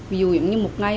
ví dụ như một ngày